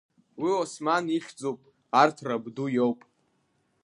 Уи Осман ихьӡуп, арҭ рабду иоуп.